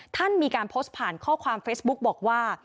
ท่านมีการโพสต์ผ่านข้อความเฟซบุ๊กบอกว่า